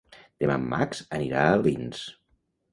Demà en Max anirà a Alins.